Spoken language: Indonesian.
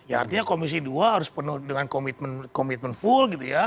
artinya komisi dua harus penuh dengan komitmen full